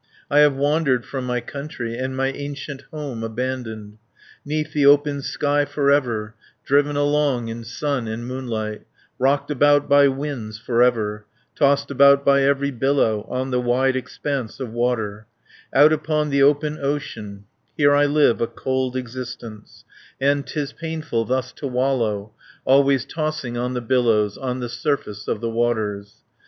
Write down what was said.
20 I have wandered from my country, And my ancient home abandoned. 'Neath the open sky for ever, Driven along in sun and moonlight, Rocked about by winds for ever, Tossed about by every billow, On the wide expanse of water, Out upon the open ocean, Here I live a cold existence, And 'tis painful thus to wallow, 30 Always tossing on the billows, On the surface of the waters.